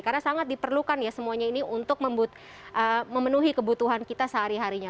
karena sangat diperlukan ya semuanya ini untuk memenuhi kebutuhan kita sehari harinya